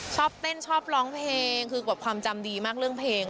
ชอบเต้นชอบร้องเพลงคือแบบความจำดีมากเรื่องเพลง